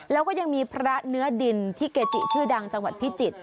แล้วก็ยังมีพระเนื้อดินที่เกจิชื่อดังจังหวัดพิจิตร